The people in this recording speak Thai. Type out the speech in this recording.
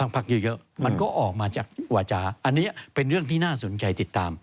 พักเยอะมันก็ออกมาจากวาจาอันนี้เป็นเรื่องที่น่าสนใจติดตาม